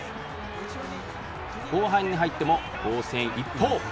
後半に入っても防戦一方。